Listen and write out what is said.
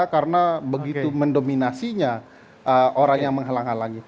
karena begitu mendominasinya orang yang menghalang halangi